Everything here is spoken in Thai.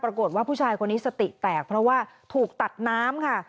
ปรากฏว่าผู้ชายคนนี้สติแตกเพราะว่าถูกตัดน้ำค่ะ